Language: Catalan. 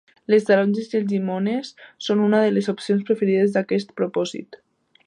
Les taronges i les llimones són una de les opcions preferides per aquest propòsit.